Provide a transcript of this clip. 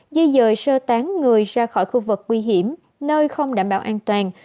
di dời sơ tán người ra khỏi khu vực nguy hiểm nơi không đảm bảo an toàn